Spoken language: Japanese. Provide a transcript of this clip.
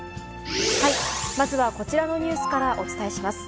まずはこちらのニュースからお伝えします。